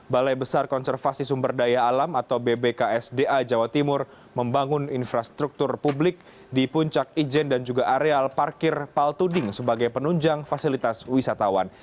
balai besar konservasi sumber daya alam atau bbksda jawa timur membangun infrastruktur publik di puncak ijen dan juga areal parkir paltuding sebagai penunjang fasilitas wisatawan